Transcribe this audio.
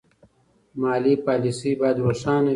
مالي پالیسي باید روښانه وي.